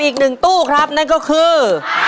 อีกหนึ่งตู้ครับนั่นก็คือ